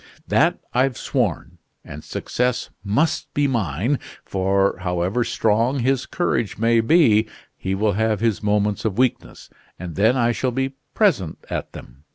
That I've sworn; and success must be mine, for, however strong his courage may be, he will have his moments of weakness, and then I shall be present at them.